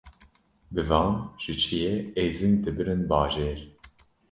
Bi van ji çiyê êzing dibirin bajêr